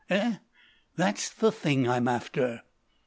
Eh? That's the thing I'm after."